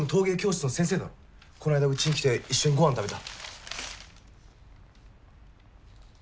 この間うちに来て一緒にごはん食べた。